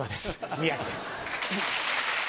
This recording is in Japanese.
宮治です。